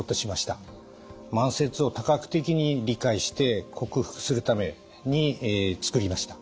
慢性痛を多角的に理解して克服するために作りました。